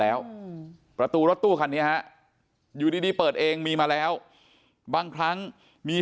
แล้วประตูรถตู้คันนี้ฮะอยู่ดีเปิดเองมีมาแล้วบางครั้งมี